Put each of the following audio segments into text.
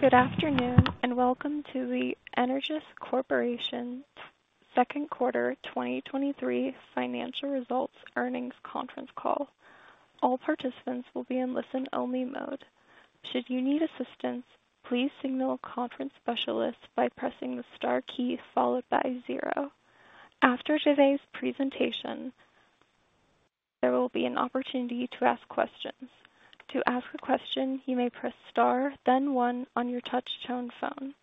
Good afternoon, welcome to the Energous Corporation Second Quarter 2023 Financial Results Earnings Conference Call. All participants will be in listen-only mode. Should you need assistance, please signal a conference specialist by pressing the star key followed by zero. After today's presentation, there will be an opportunity to ask questions. To ask a question, you may press star, then one on your touchtone phone.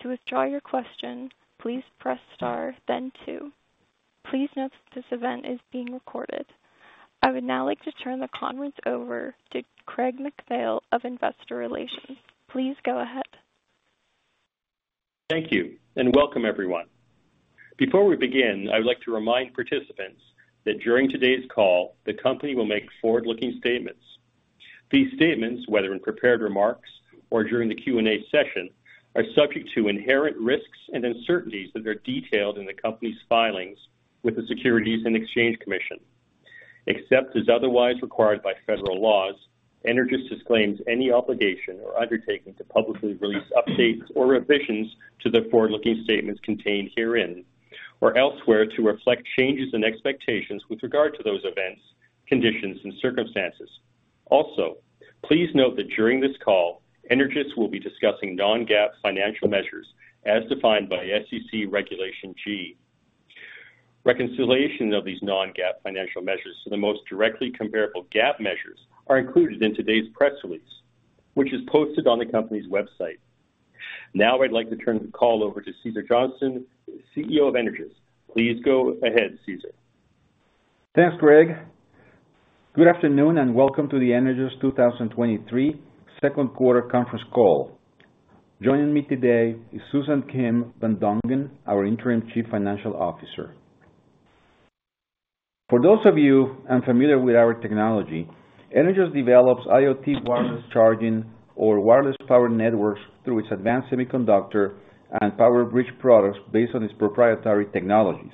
To withdraw your question, please press star, then two. Please note that this event is being recorded. I would now like to turn the conference over to Craig MacPhail of Investor Relations. Please go ahead. Thank you, and welcome, everyone. Before we begin, I would like to remind participants that during today's call, the company will make forward-looking statements. These statements, whether in prepared remarks or during the Q&A session, are subject to inherent risks and uncertainties that are detailed in the company's filings with the Securities and Exchange Commission. Except as otherwise required by federal laws, Energous disclaims any obligation or undertaking to publicly release updates or revisions to the forward-looking statements contained herein or elsewhere to reflect changes in expectations with regard to those events, conditions, and circumstances. Please note that during this call, Energous will be discussing non-GAAP financial measures as defined by SEC Regulation G. Reconciliation of these non-GAAP financial measures to the most directly comparable GAAP measures are included in today's press release, which is posted on the company's website. Now, I'd like to turn the call over to Cesar Johnston, CEO of Energous. Please go ahead, Cesar. Thanks, Craig. Good afternoon, and welcome to the Energous 2023 second quarter conference call. Joining me today is Susan Kim-vanDongen, our Interim Chief Financial Officer. For those of you unfamiliar with our technology, Energous develops IoT wireless charging or wireless power networks through its advanced semiconductor and power bridge products based on its proprietary technologies.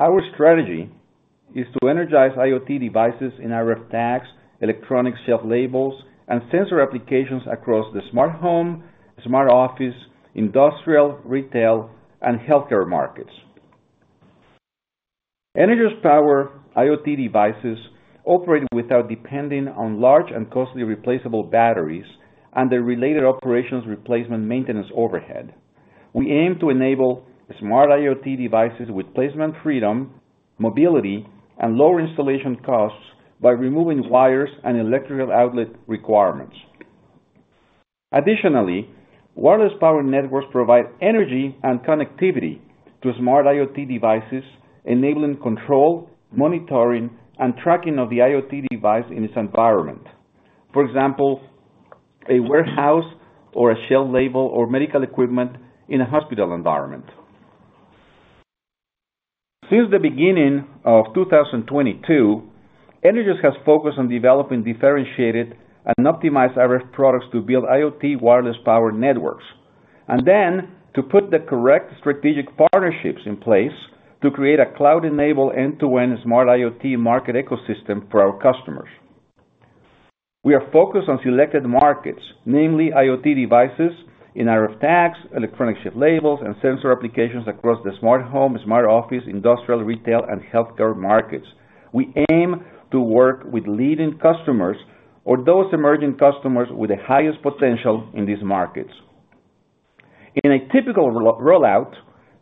Our strategy is to energize IoT devices in RF tags, electronic shelf labels, and sensor applications across the smart home, smart office, industrial, retail, and healthcare markets. Energous power IoT devices operate without depending on large and costly replaceable batteries and the related operations replacement maintenance overhead. We aim to enable smart IoT devices with placement, freedom, mobility, and lower installation costs by removing wires and electrical outlet requirements. Additionally, wireless power networks provide energy and connectivity to smart IoT devices, enabling control, monitoring, and tracking of the IoT device in its environment. For example, a warehouse or a shelf label or medical equipment in a hospital environment. Since the beginning of 2022, Energous has focused on developing differentiated and optimized RF products to build IoT wireless power networks, and then to put the correct strategic partnerships in place to create a cloud-enabled, end-to-end smart IoT market ecosystem for our customers. We are focused on selected markets, namely IoT devices in RF tags, electronic shelf labels, and sensor applications across the smart home, smart office, industrial, retail, and healthcare markets. We aim to work with leading customers or those emerging customers with the highest potential in these markets. In a typical rollout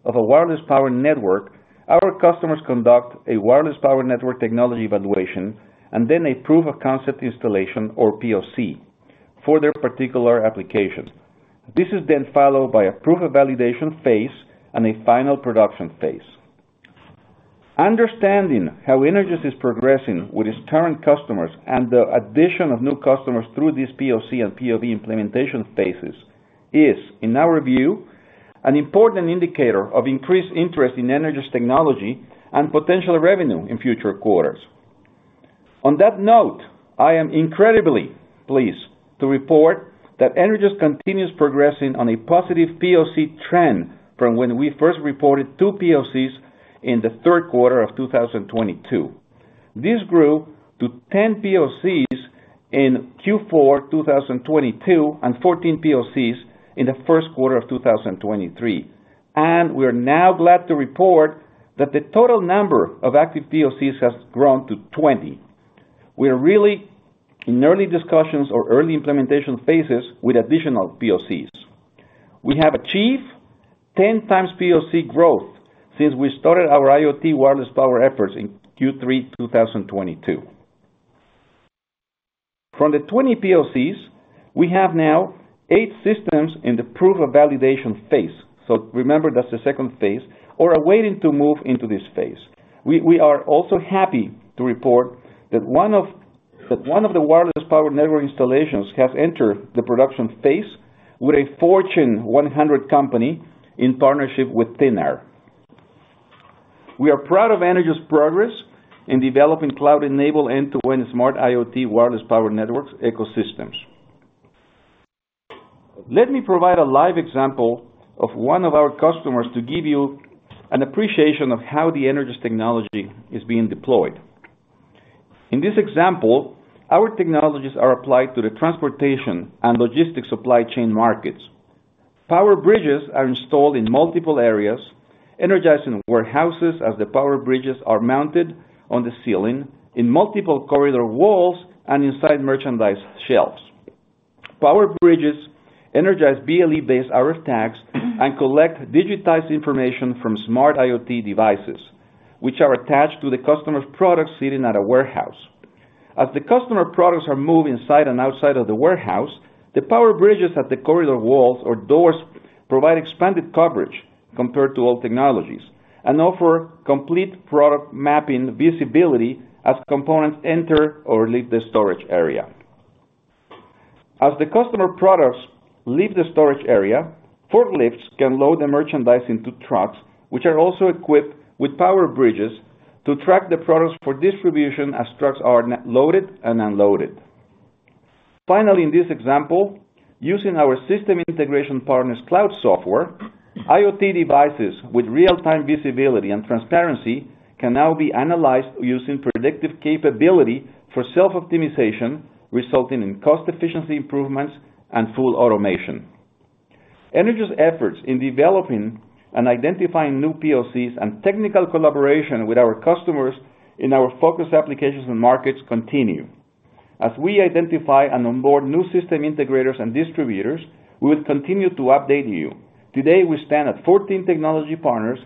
of a wireless power network, our customers conduct a wireless power network technology evaluation and then a proof of concept installation or POC for their particular application. This is then followed by a proof of validation phase and a final production phase. Understanding how Energous is progressing with its current customers and the addition of new customers through these POC and POV implementation phases is, in our view, an important indicator of increased interest in Energous technology and potential revenue in future quarters. On that note, I am incredibly pleased to report that Energous continues progressing on a positive POC trend from when we first reported two POCs in the third quarter of 2022. This grew to 10 POCs in Q4 2022 and 14 POCs in the first quarter of 2023. We are now glad to report that the total number of active POCs has grown to 20. We are really in early discussions or early implementation phases with additional POCs. We have achieved 10 times POC growth since we started our IoT wireless power efforts in Q3 2022. From the 20 POCs, we have now eight systems in the proof of validation phase. Remember, that's the second phase, or are waiting to move into this phase. We are also happy to report that one of the wireless power network installations has entered the production phase with a Fortune 100 company in partnership with Thinaër. We are proud of Energous' progress in developing cloud-enabled, end-to-end smart IoT wireless power networks ecosystems. Let me provide a live example of one of our customers to give you an appreciation of how the Energous technology is being deployed. In this example, our technologies are applied to the transportation and logistics supply chain markets. PowerBridges are installed in multiple areas, energizing warehouses as the PowerBridges are mounted on the ceiling, in multiple corridor walls, and inside merchandise shelves. PowerBridges energize BLE-based RF tags and collect digitized information from smart IoT devices, which are attached to the customer's products sitting at a warehouse. As the customer products are moved inside and outside of the warehouse, the PowerBridges at the corridor walls or doors provide expanded coverage compared to all technologies, and offer complete product mapping visibility as components enter or leave the storage area. As the customer products leave the storage area, forklifts can load the merchandise into trucks, which are also equipped with PowerBridge, to track the products for distribution as trucks are net-loaded and unloaded. Finally, in this example, using our system integration partners cloud software, IoT devices with real-time visibility and transparency can now be analyzed using predictive capability for self-optimization, resulting in cost efficiency improvements and full automation. Energous' efforts in developing and identifying new POCs and technical collaboration with our customers in our focus applications and markets continue. As we identify and onboard new system integrators and distributors, we will continue to update you. Today, we stand at 14 technology partners,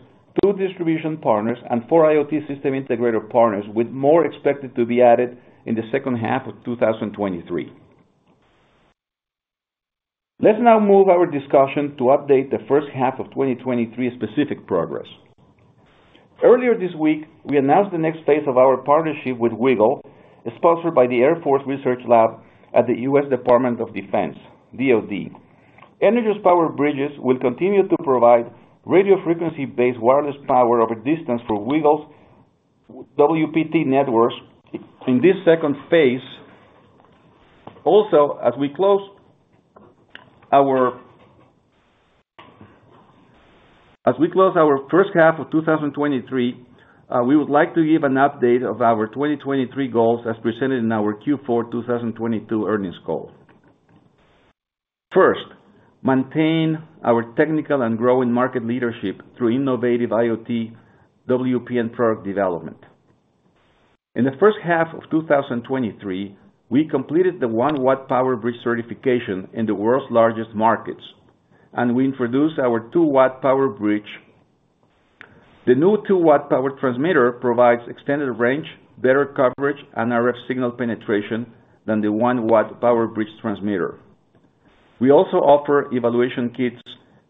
2 distribution partners, and 4 IoT system integrator partners, with more expected to be added in the second half of 2023. Let's now move our discussion to update the first half of 2023 specific progress. Earlier this week, we announced the next phase of our partnership with WiGL, sponsored by the Air Force Research Laboratory at the U.S. Department of Defense, DoD. Energous Power Bridges will continue to provide radio frequency-based wireless power over distance for WiGL's WPT networks in this second phase. Also, as we close our first half of 2023, we would like to give an update of our 2023 goals as presented in our Q4 2022 earnings call. First, maintain our technical and growing market leadership through innovative IoT, WP, and product development. In the first half of 2023, we completed the 1-watt PowerBridge certification in the world's largest markets, and we introduced our 2-watt PowerBridge. The new two-watt power transmitter provides extended range, better coverage, and RF signal penetration than the one-watt PowerBridge transmitter. We also offer evaluation kits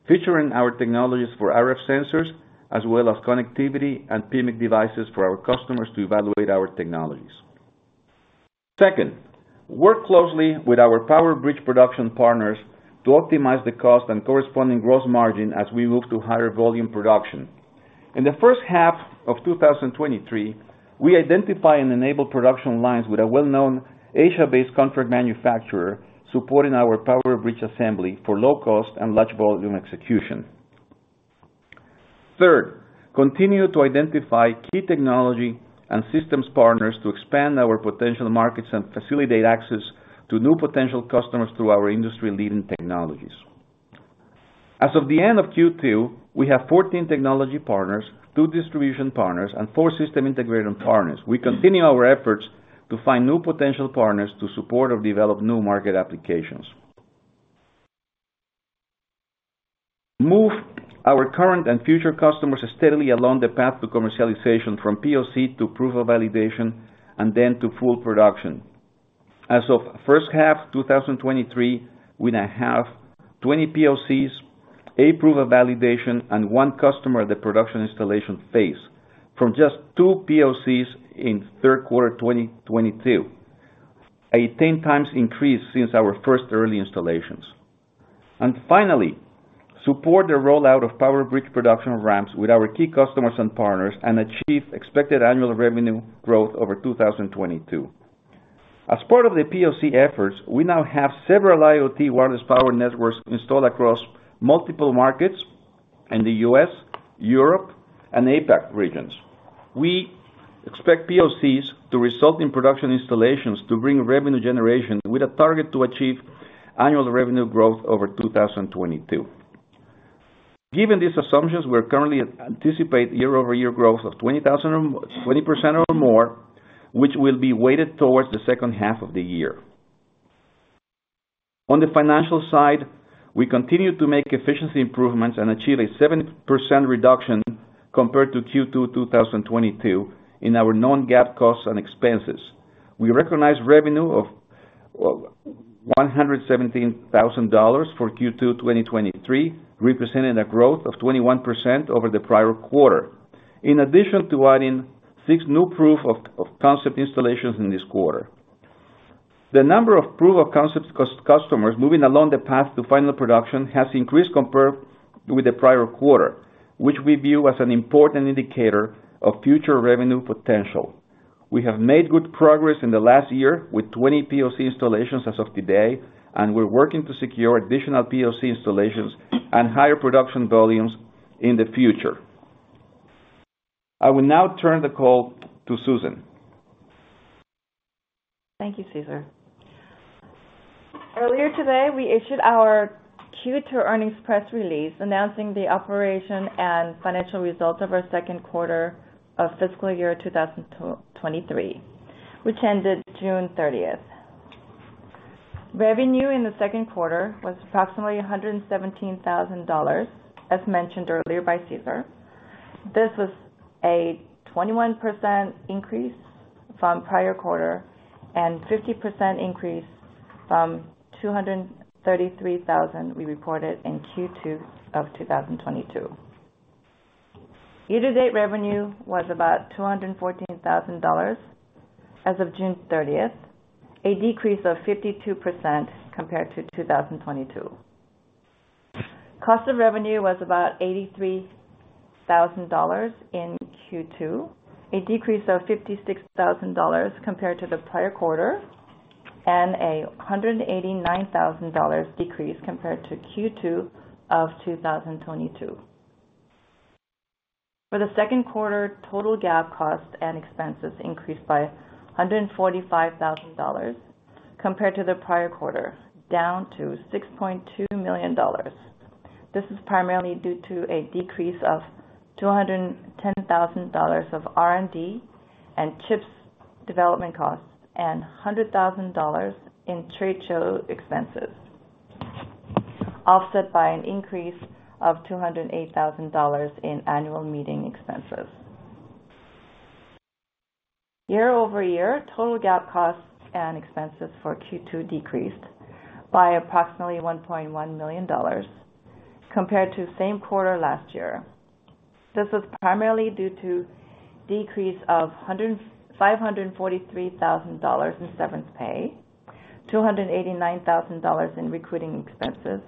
featuring our technologies for RF sensors, as well as connectivity and PMIC devices for our customers to evaluate our technologies. Second, work closely with our PowerBridge production partners to optimize the cost and corresponding gross margin as we move to higher volume production. In the first half of 2023, we identify and enable production lines with a well-known Asia-based contract manufacturer, supporting our PowerBridge assembly for low cost and large volume execution. Third, continue to identify key technology and systems partners to expand our potential markets and facilitate access to new potential customers through our industry-leading technologies. As of the end of Q2, we have 14 technology partners, two distribution partners, and four system integrated partners. We continue our efforts to find new potential partners to support or develop new market applications. Move our current and future customers steadily along the path to commercialization, from POC to proof of validation and then to full production. As of first half 2023, we now have 20 POCs, 8 proof of validation, and 1 customer at the production installation phase, from just 2 POCs in third quarter 2022, a 10 times increase since our first early installations. Finally, support the rollout of PowerBridge production ramps with our key customers and partners, and achieve expected annual revenue growth over 2022. As part of the POC efforts, we now have several IoT wireless power networks installed across multiple markets in the US, Europe, and APAC regions. We expect POCs to result in production installations to bring revenue generation, with a target to achieve annual revenue growth over 2022. Given these assumptions, we're currently anticipate year-over-year growth of 20% or more, which will be weighted towards the second half of the year. On the financial side, we continue to make efficiency improvements and achieve a 7% reduction compared to Q2 2022, in our non-GAAP costs and expenses. We recognize revenue of, well, $117,000 for Q2 2023, representing a growth of 21% over the prior quarter. In addition to adding 6 new proof of concept installations in this quarter. The number of proof of concept customers moving along the path to final production has increased compared with the prior quarter, which we view as an important indicator of future revenue potential. We have made good progress in the last year with 20 POC installations as of today, we're working to secure additional POC installations and higher production volumes in the future. I will now turn the call to Susan. Thank you, Cesar. Earlier today, we issued our Q2 earnings press release, announcing the operation and financial results of our second quarter of fiscal year 2023, which ended June thirtieth. Revenue in the second quarter was approximately $117,000, as mentioned earlier by Cesar. This was a 21% increase from prior quarter and 50% increase from $233,000 we reported in Q2 of 2022. Year-to-date revenue was about $214,000 as of June thirtieth, a decrease of 52% compared to 2022. Cost of revenue was about $83,000 in Q2, a decrease of $56,000 compared to the prior quarter, and a $189,000 decrease compared to Q2 of 2022. For the second quarter, total GAAP costs and expenses increased by $145,000 compared to the prior quarter, down to $6.2 million. This is primarily due to a decrease of $210,000 of R&D and chips development costs, and $100,000 in trade show expenses, offset by an increase of $208,000 in annual meeting expenses. Year-over-year, total GAAP costs and expenses for Q2 decreased by approximately $1.1 million compared to the same quarter last year. This was primarily due to decrease of $543,000 in severance pay, $289,000 in recruiting expenses,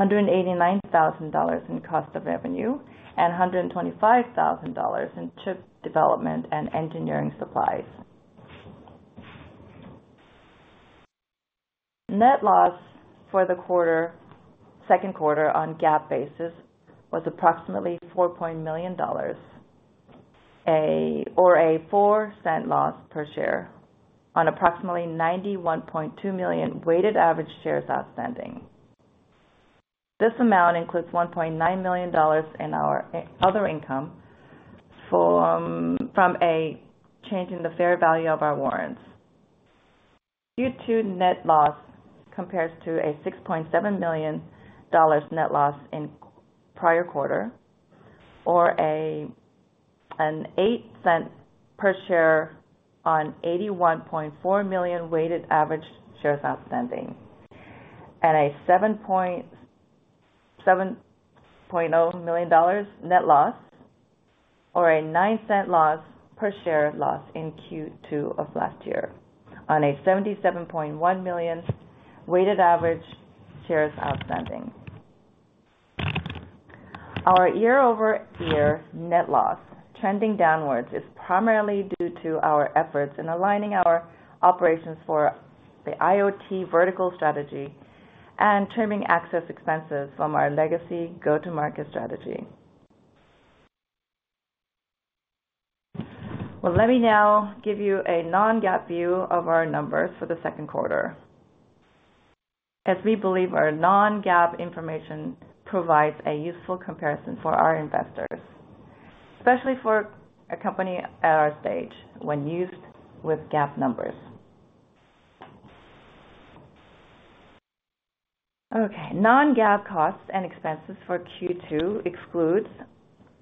$189,000 in cost of revenue, and $125,000 in chip development and engineering supplies. Net loss for the second quarter on GAAP basis was approximately $4 million, or a $0.04 loss per share on approximately 91.2 million weighted average shares outstanding. This amount includes $1.9 million in our other income from a change in the fair value of our warrants. Q2 net loss compares to a $6.7 million net loss in prior quarter, or an $0.08 per share on 81.4 million weighted average shares outstanding, at a $7.0 million net loss, or a $0.09 loss per share loss in Q2 of last year on a 77.1 million weighted average shares outstanding. Our year-over-year net loss trending downwards is primarily due to our efforts in aligning our operations for the IoT vertical strategy and trimming access expenses from our legacy go-to-market strategy. Let me now give you a non-GAAP view of our numbers for the second quarter, as we believe our non-GAAP information provides a useful comparison for our investors, especially for a company at our stage when used with GAAP numbers. Non-GAAP costs and expenses for Q2 excludes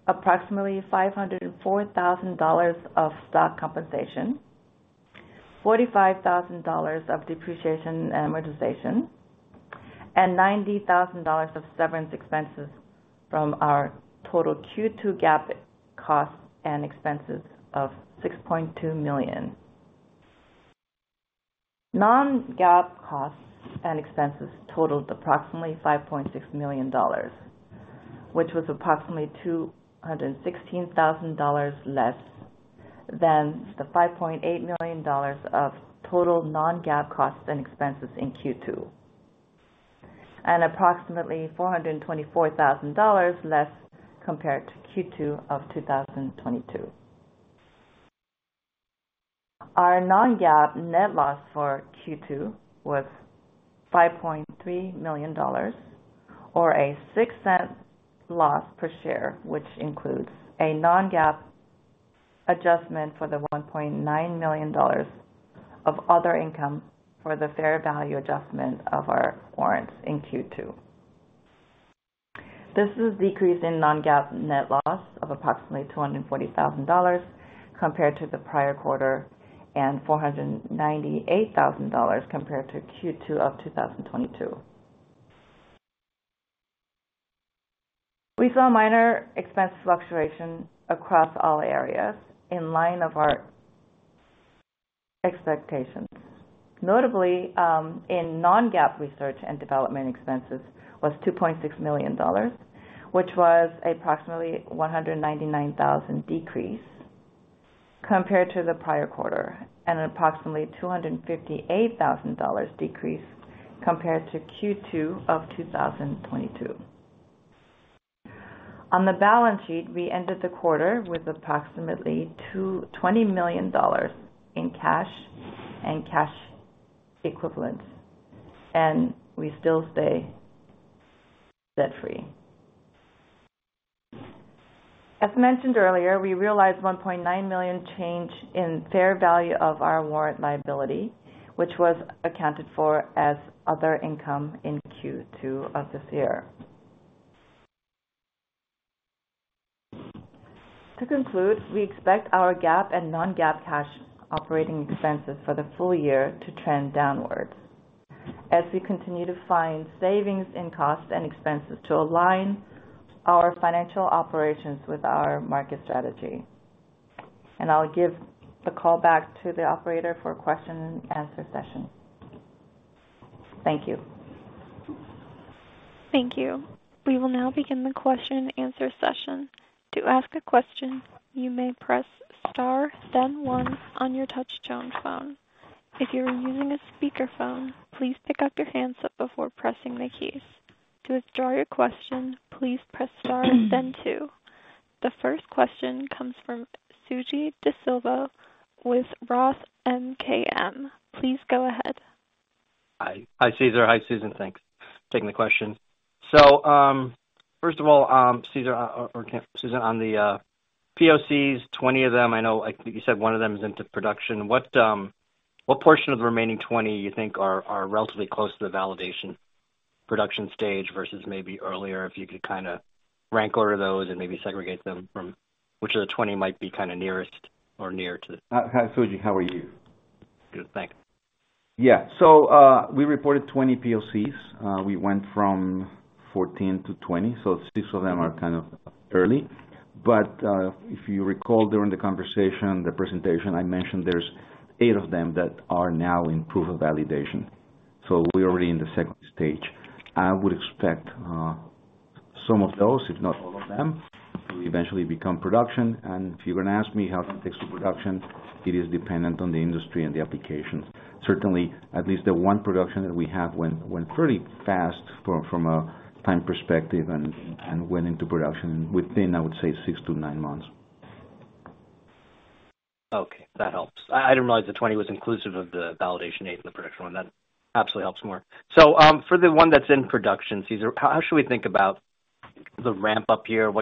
approximately $504,000 of stock compensation, $45,000 of depreciation and amortization, and $90,000 of severance expenses from our total Q2 GAAP costs and expenses of $6.2 million. Non-GAAP costs and expenses totaled approximately $5.6 million, which was approximately $216,000 less than the $5.8 million of total non-GAAP costs and expenses in Q2, and approximately $424,000 less compared to Q2 of 2022. Our non-GAAP net loss for Q2 was $5.3 million, or a $0.06 loss per share, which includes a non-GAAP adjustment for the $1.9 million of other income for the fair value adjustment of our warrants in Q2. This is a decrease in non-GAAP net loss of approximately $240,000 compared to the prior quarter, and $498,000 compared to Q2 of 2022. We saw minor expense fluctuation across all areas in line of our expectations. Notably, in non-GAAP research and development expenses was $2.6 million, which was approximately $199,000 decrease compared to the prior quarter, and approximately $258,000 decrease compared to Q2 of 2022. On the balance sheet, we ended the quarter with approximately $20 million in cash and cash equivalents, and we still stay debt-free. As mentioned earlier, we realized $1.9 million change in fair value of our warrant liability, which was accounted for as other income in Q2 of this year. To conclude, we expect our GAAP and non-GAAP cash operating expenses for the full year to trend downwards as we continue to find savings in costs and expenses to align our financial operations with our market strategy. I'll give the call back to the operator for question and answer session. Thank you. Thank you. We will now begin the question and answer session. To ask a question, you may press star then one on your touchtone phone. If you are using a speakerphone, please pick up your handset before pressing the keys. To withdraw your question, please press star then two. The first question comes from Suji DeSilva with ROTH MKM. Please go ahead. Hi. Hi, Cesar. Hi, Susan. Thanks for taking the question. First of all, Cesar, or, or Susan, on the POCs, 20 of them, I know, like you said, 1 of them is into production. What portion of the remaining 20 you think are, are relatively close to the validation production stage versus maybe earlier? If you could kind of rank order those and maybe segregate them from which of the 20 might be kind of nearest or near to- Hi, Suji, how are you? Good, thanks. Yeah. We reported 20 POCs. We went from 14 to 20, 6 of them are kind of early. If you recall, during the conversation, the presentation, I mentioned there's 8 of them that are now in proof of validation. We're already in the second stage. I would expect some of those, if not all of them, to eventually become production. If you're going to ask me how long it takes to production, it is dependent on the industry and the application. Certainly, at least the 1 production that we have went, went pretty fast from, from a time perspective and, and went into production within, I would say, 6 to 9 months. Okay, that helps. I, I didn't realize the 20 was inclusive of the validation aid in the production one. That absolutely helps more. For the one that's in production, Cesar, how, how should we think about the ramp-up here?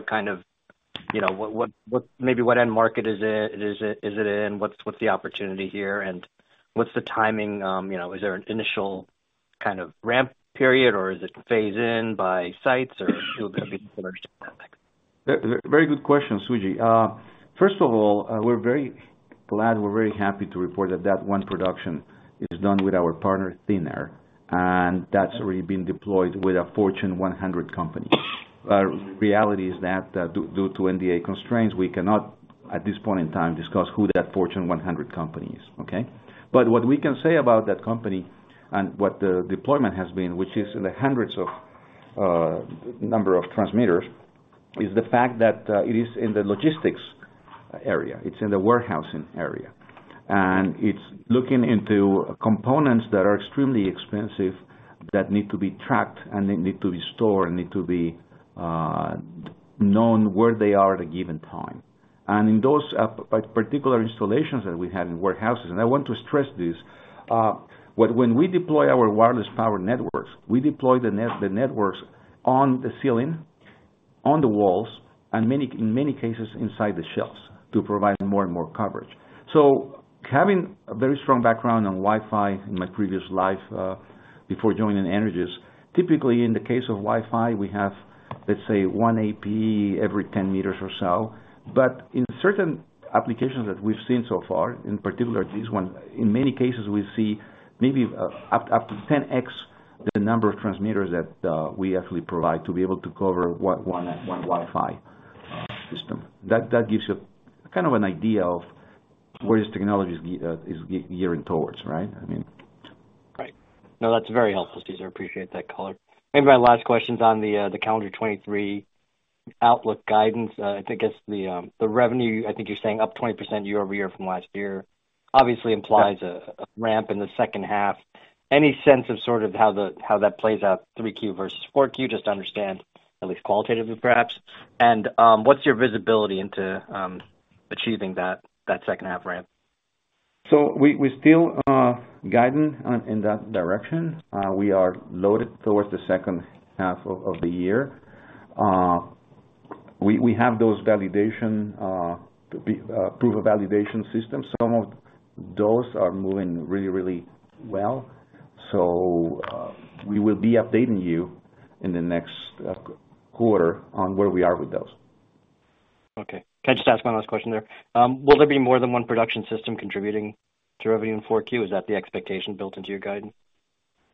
You know, what, what, what maybe what end market is it, is it, is it in? What's, what's the opportunity here, and what's the timing, you know, is there an initial kind of ramp period, or is it phase in by sites, or who are going to be? Very good question, Suji. First of all, we're very glad, we're very happy to report that that 1 production is done with our partner, Thinaer, that's already been deployed with a Fortune 100 company. Reality is that, due, due to NDA constraints, we cannot, at this point in time, discuss who that Fortune 100 company is. Okay? What we can say about that company and what the deployment has been, which is in the hundreds of number of transmitters, is the fact that it is in the logistics area, it's in the warehousing area. It's looking into components that are extremely expensive, that need to be tracked and they need to be stored and need to be known where they are at a given time. In those particular installations that we had in warehouses, and I want to stress this, when, when we deploy our wireless power networks, we deploy the networks on the ceiling, on the walls, and many, in many cases, inside the shelves to provide more and more coverage. Having a very strong background on Wi-Fi in my previous life, before joining Energous, typically in the case of Wi-Fi, we have, let's say, 1 AP every 10 meters or so. In certain applications that we've seen so far, in particular, this one, in many cases we see maybe up, up to 10x, the number of transmitters that we actually provide to be able to cover 1, 1, 1 Wi-Fi system. That gives you kind of an idea of where this technology is gearing towards, right? I mean. Right. No, that's very helpful, Cesar. Appreciate that color. Maybe my last question is on the calendar 23 outlook guidance. I think it's the revenue. I think you're saying up 20% year-over-year from last year, obviously implies a ramp in the second half. Any sense of sort of how that plays out, 3Q versus 4Q, just to understand, at least qualitatively, perhaps? What's your visibility into achieving that second half ramp? We, we still guiding on, in that direction. We are loaded towards the second half of the year. We, we have those validation, be, proof of validation systems. Some of those are moving really, really well. We will be updating you in the next quarter on where we are with those. Okay. Can I just ask one last question there? Will there be more than one production system contributing to revenue in 4Q? Is that the expectation built into your guidance?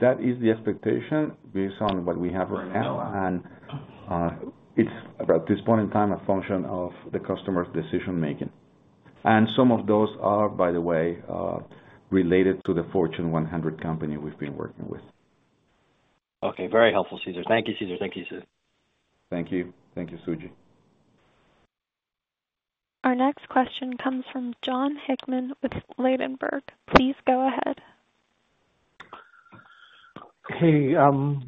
That is the expectation based on what we have right now. It's about this point in time, a function of the customer's decision making. Some of those are, by the way, related to the Fortune 100 company we've been working with. Okay, very helpful, Cesar. Thank you, Cesar. Thank you, Cesar. Thank you. Thank you, Suji. Our next question comes from Jon Hickman with Ladenburg. Please go ahead. Hey,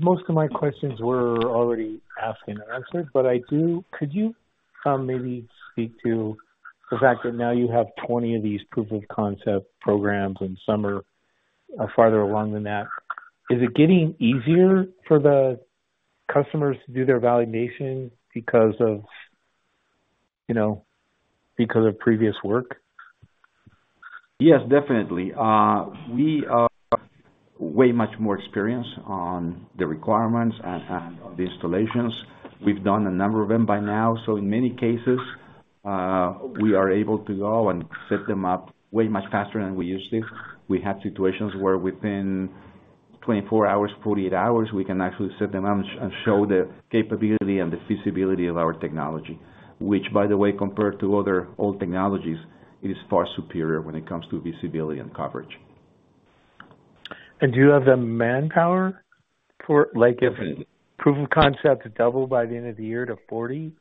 most of my questions were already asked and answered, but I do, could you, maybe speak to the fact that now you have 20 of these proof of concept programs, and some are, are farther along than that? Is it getting easier for the customers to do their validation because of, you know, because of previous work? Yes, definitely. We are way much more experienced on the requirements and the installations. We've done a number of them by now. In many cases, we are able to go and set them up way much faster than we used to. We have situations where within 24 hours, 48 hours, we can actually set them up and show the capability and the feasibility of our technology, which, by the way, compared to other old technologies, is far superior when it comes to visibility and coverage. Do you have the manpower for like, if proof of concept to double by the end of the year to 40,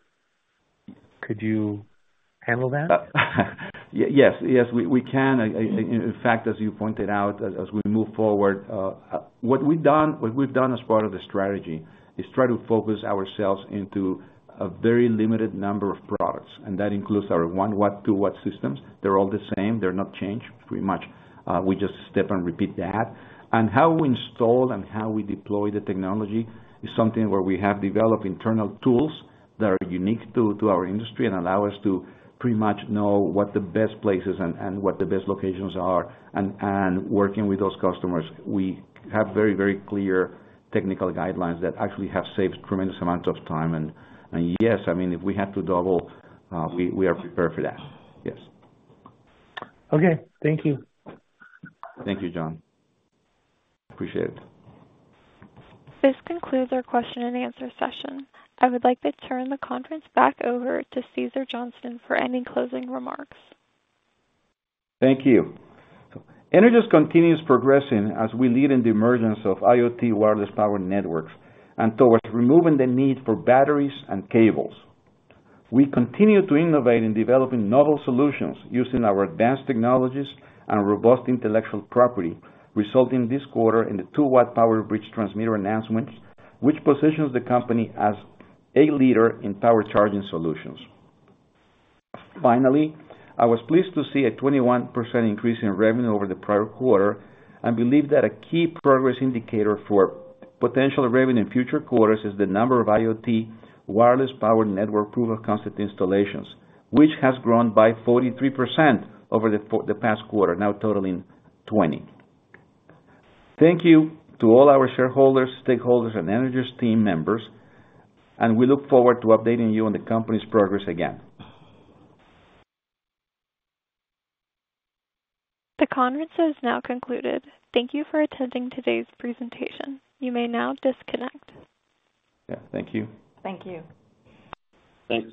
could you handle that? Yes. Yes, we, we can. In fact, as you pointed out, as we move forward, what we've done as part of the strategy is try to focus ourselves into a very limited number of products, and that includes our 1 watt, 2 watt systems. They're all the same, they're not changed. Pretty much, we just step and repeat that. How we install and how we deploy the technology is something where we have developed internal tools that are unique to our industry and allow us to pretty much know what the best places and what the best locations are, and working with those customers. We have very, very clear technical guidelines that actually have saved tremendous amount of time. Yes, I mean, if we had to double, we are prepared for that. Yes. Okay. Thank you. Thank you, John. Appreciate it. This concludes our question and answer session. I would like to turn the conference back over to Cesar Johnston for any closing remarks. Thank you. Energous continues progressing as we lead in the emergence of IoT wireless power networks and towards removing the need for batteries and cables. We continue to innovate in developing novel solutions using our advanced technologies and robust intellectual property, resulting this quarter in the 2W PowerBridge transmitter announcement, which positions the company as a leader in power charging solutions. I was pleased to see a 21% increase in revenue over the prior quarter and believe that a key progress indicator for potential revenue in future quarters is the number of IoT wireless power network proof of concept installations, which has grown by 43% over the past quarter, now totaling 20. Thank you to all our shareholders, stakeholders, and Energous team members, and we look forward to updating you on the company's progress again. The conference has now concluded. Thank you for attending today's presentation. You may now disconnect. Yeah. Thank you. Thank you. Thank you.